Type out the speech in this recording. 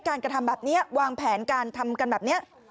กระทำแบบนี้วางแผนการทำกันแบบนี้